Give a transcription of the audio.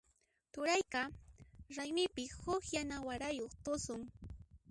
Turayqa raymipi huk yana warayuq tusun.